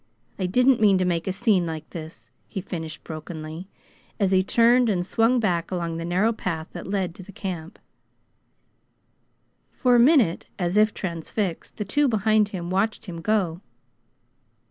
I didn't mean to make a scene like this," he finished brokenly, as he turned and swung back along the narrow path that led to the camp. For a minute, as if transfixed, the two behind him watched him go.